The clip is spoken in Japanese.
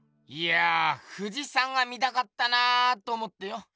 いやぁ富士山が見たかったなぁと思ってよ。